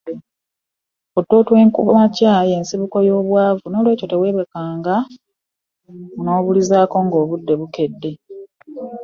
Otulo twokumakya yensibuko yobwavu nolwekyo tewebakanga kubulizaako ngobudde bukedde.